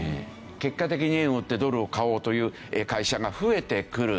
結果的に円を売ってドルを買おうという会社が増えてくる。